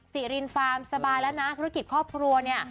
สิรินฟาร์มสบายแล้วนะธุรกิจครอบครัวเนี่ย